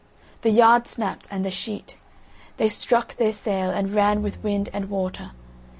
The yard snapped, and the sheet; they struck their sail, and ran with wind and water.